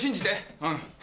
うん。